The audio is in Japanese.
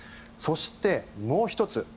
そして、もう１つ。